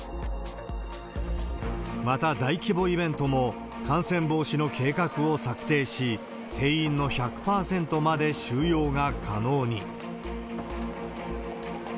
また大規模イベントも、感染防止の計画を策定し、定員の１００％まで収容が可能に。